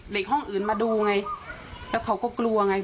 ห้องอื่นมาดูไงแล้วเขาก็กลัวไง